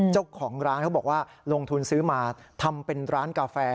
เจ้าของร้านเขาบอกว่าลงทุนซื้อมาทำเป็นร้านกาแฟ